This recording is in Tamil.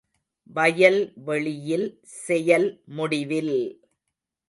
வயல் வெளியில் செயல் முடிவில்!